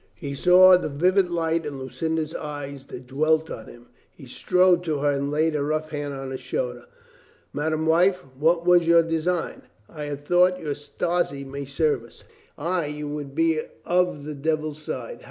He saw the vivid light in Lucinda's eyes that dwelt on him. He strode to her and laid a rough hand on her shoulder. "Madame wife, what was your design?" "I had thought your Strozzi might serve us." "Ay, you would be of the devil's side.